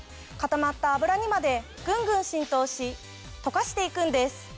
固まった油にまでぐんぐん浸透し溶かして行くんです。